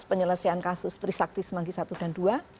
penyelesaian kasus trisakti semanggi i dan ii